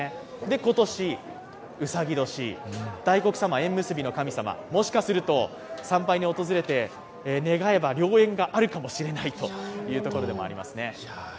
今年、うさぎ年、大黒さま、縁結びの神様、もしかすると参拝に訪れて願えば良縁があるかもしれないというところでもありますね。